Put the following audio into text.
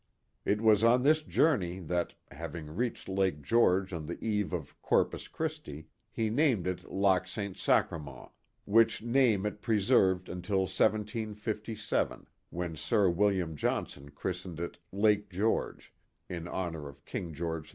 It was on this jour ney that, having reached Lake George on the eve of Corpus Christi, he named it Lac St. Sacrament, which name it pre served until 1757, when Sir William Johnson christened it Lake George in honor of King George II.